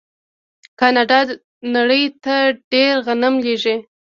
کاناډا نړۍ ته ډیر غنم لیږي.